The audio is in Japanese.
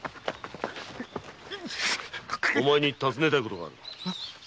お前に尋ねたいことがある。